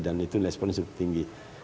dan itu ekspornya cukup tinggi